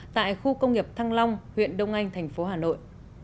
tại khu công nghiệp thăng long huyện đông anh thành phố hà nội